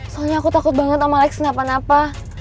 soalnya aku takut banget om alex kenapa napa